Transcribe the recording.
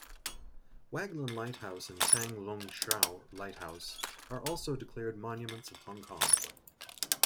Waglan Lighthouse and Tang Lung Chau Lighthouse are also declared monuments of Hong Kong.